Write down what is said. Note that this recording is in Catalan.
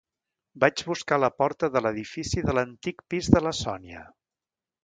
Vaig buscar la porta de l'edifici de l'antic pis de la Sònia.